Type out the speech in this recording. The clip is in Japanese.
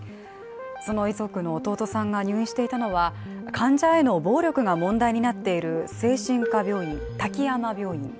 その遺族の弟さんが入院していたのは患者への暴力が問題になっている精神科病院、滝山病院。